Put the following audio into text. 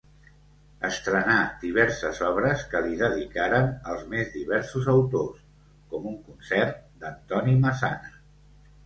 Estrenà diverses obres que li dedicaren els més diversos autors, com un concert d'Antoni Massana.